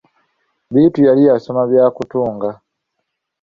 Bittu yali yasoma bya kutunga!